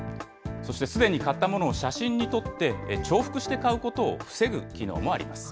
そして、すでに買ったものを写真に撮って、重複して買うことを防ぐ機能もあります。